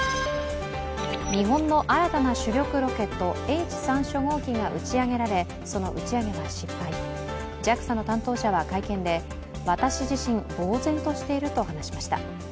日本の新たな主力ロケットＨ３初号機が打ち上げられＪＡＸＡの担当者は会見で、私自身、ぼう然としていると話しました。